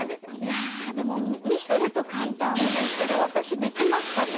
やでも見てると簡単ですけど私できますかね？